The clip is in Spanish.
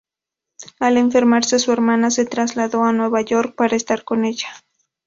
Al enfermarse su hermana, se trasladó a Nueva York para estar con ella.